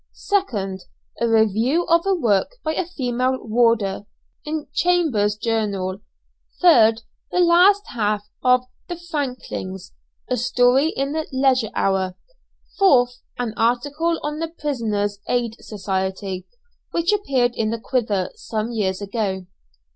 2nd A review of a work by a female warder, in "Chambers's Journal." 3rd The last half of "The Franklins," a story in the "Leisure Hour." 4th An article on the "Prisoners' Aid Society" which appeared in the "Quiver," some years ago.